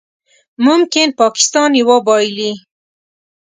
ممکن پاکستان یې وبایلي